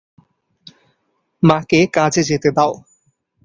মাকে কাজে যেতে দাও।